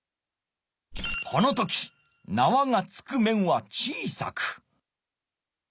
この時なわが着く面は小さく。